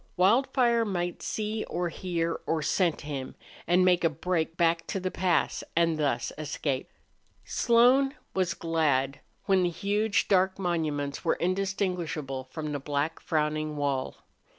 Wildfire might see or hear or scent him, and make a break back to the pass and thus escape. Slone was glad when the huge, dark monuments were indistinguishable from the black, frowning wall.